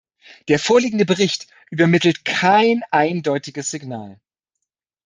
Der vorliegende Bericht übermittelt kein eindeutiges Signal.